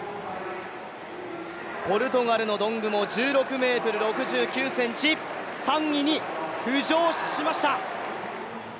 ポルトガルのドングモ、１６ｍ６９ｃｍ、３位に浮上しました。